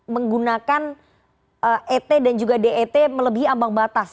menggunakan et dan juga det melebihi ambang batas